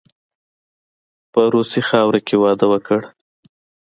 په روسي خاوره کې واده وکړ.